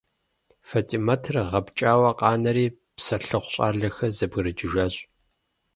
ФатӀимэтыр гъэпкӀауэ къанэри, псэлъыхъу щӀалэхэр зэбгрыкӀыжащ.